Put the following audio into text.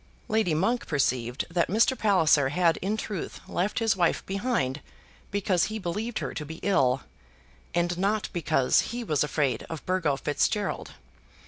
Lady Monk perceived that Mr. Palliser had in truth left his wife behind because he believed her to be ill, and not because he was afraid of Burgo Fitzgerald.